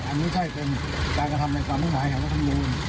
อันนี้ใช่เป็นการกระทำในความกล่องหายหาวิธีกรรมบูรณ์